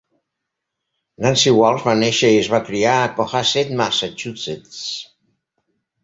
Nancy Walls va néixer i es va criar a Cohasset, Massachusetts.